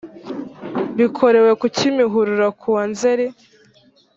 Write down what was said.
bikorewe ku kimihurura kuwa nzeri